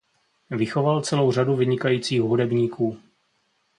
Vychoval celou řadu vynikajících hudebníků.